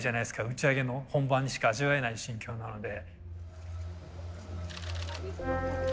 打ち上げの本番にしか味わえない心境なので。